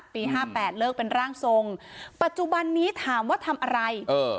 ห้าแปดเลิกเป็นร่างทรงปัจจุบันนี้ถามว่าทำอะไรเออ